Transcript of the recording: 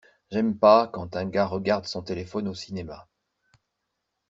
J'aime pas quand un gars regarde son téléphone au cinéma.